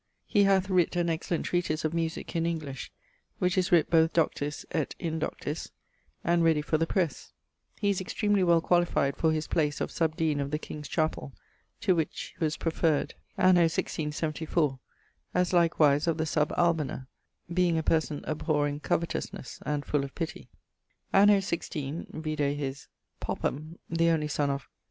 He hath writt an excellent treatise of musique, in English, which is writt both doctis et indoctis, and readie for the presse. He is extremely well qualified for hisplace, of Sub Deane of the King's Chapell, to which he was preferred anno 167<4>, as likewise of the Sub Almoner, being a person abhorring covetousnes, and full of pitty. Anno 16 (vide his ...)... Popham (the only son of